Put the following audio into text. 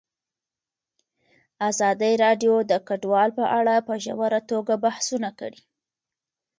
ازادي راډیو د کډوال په اړه په ژوره توګه بحثونه کړي.